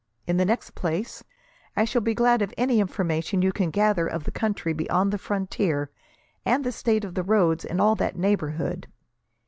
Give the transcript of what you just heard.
In the next place, I shall be glad of any information you can gather of the country beyond the frontier, and the state of the roads in all that neighbourhood.